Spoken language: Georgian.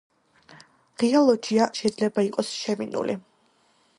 ღია ლოჯია შეიძლება იყოს შემინული.